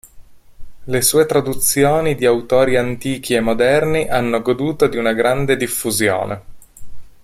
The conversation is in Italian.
Le sue traduzioni di autori antichi e moderni hanno goduto di una grande diffusione.